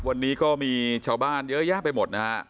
วันนี้ก็มีชาวบ้านเยอะแยะไปหมดนะฮะ